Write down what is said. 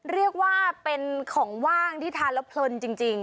เรียกว่าเป็นของว่างที่ทานแล้วเพลินจริง